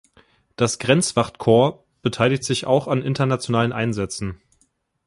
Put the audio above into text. Das Grenzwachtkorps beteiligt sich auch an internationalen Einsätzen.